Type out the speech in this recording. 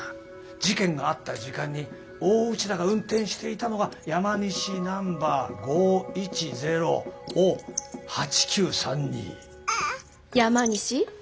事件があった時間に大内田が運転していたのが山西ナンバー５１０を８９３２。